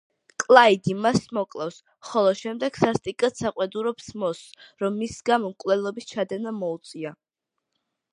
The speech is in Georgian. კლაიდი მას მოკლავს, ხოლო შემდეგ სასტიკად საყვედურობს მოსს, რომ მის გამო მკვლელობის ჩადენა მოუწია.